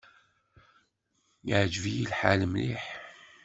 Iɛǧeb-iyi lḥal mliḥ.